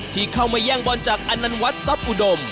ที่เข้ามาแย่งบอลจากอนันวัดทรัพย์อุดม